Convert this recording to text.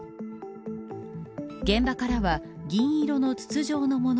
現場からは銀色の筒状のもの